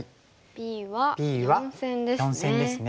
Ｂは４線ですね。